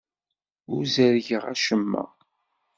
Ur ẓerrgeɣ acemma.